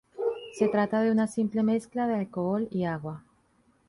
Se trata de una simple mezcla de alcohol y agua.